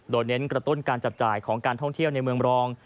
โดยเน้นกระตุ้นการจับจ่ายของการท่องเที่ยวในเมืองรอง